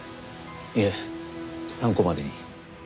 いえ参考までに。